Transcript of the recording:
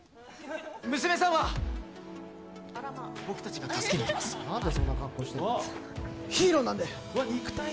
娘さんは、僕たちが助けにいヒーローなんで。